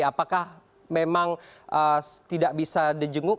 apakah memang tidak bisa dijenguk